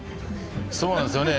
そうなんですよね。